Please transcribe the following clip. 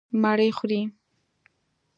_مړۍ خورې؟